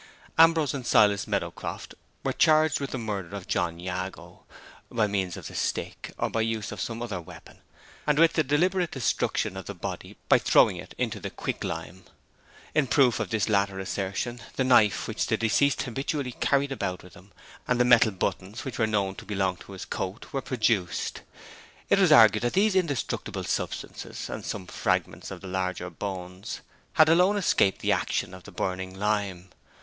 Ambrose and Silas Meadowcroft were charged with the murder of John Jago (by means of the stick or by use of some other weapon), and with the deliberate destruction of the body by throwing it into the quicklime. In proof of this latter assertion, the knife which the deceased habitually carried about him, and the metal buttons which were known to belong to his coat, were produced. It was argued that these indestructible substances, and some fragments of the larger bones had alone escaped the action of the burning lime.